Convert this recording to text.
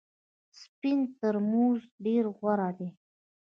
سپین ترموز ډېر غوره دی .